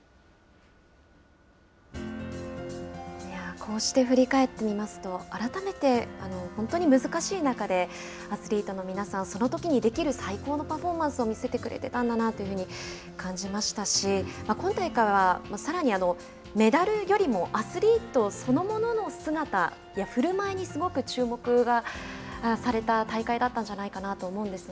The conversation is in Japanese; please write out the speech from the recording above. こうして振り返ってみますと改めて、本当に難しい中でアスリートの皆さんそのときにできる最高のパフォーマンスを見せてくれていたんだなというふうに感じましたし今大会は、さらにメダルよりもアスリートそのものの姿や振るまいに注目がされた大会だったんじゃないかなと思うんですが。